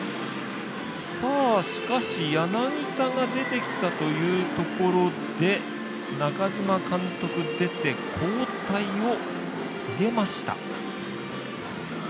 しかし、柳田が出てきたというところで中嶋監督、出て交代を告げました。